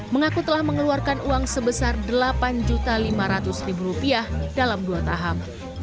mengaku telah mengeluarkan uang sebesar delapan lima ratus dalam dua tahap